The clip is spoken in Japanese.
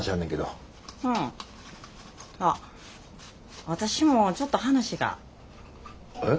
あっ私もちょっと話が。え？